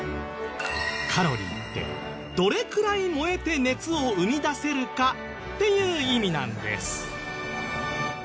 カロリーってどれくらい燃えて熱を生み出せるかっていう意味なんです。